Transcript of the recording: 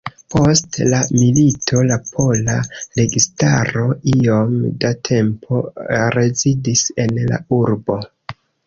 Post la milito la pola registaro iom da tempo rezidis en la urbo.